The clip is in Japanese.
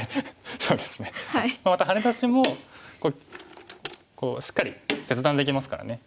またハネ出しもこうしっかり切断できますからね。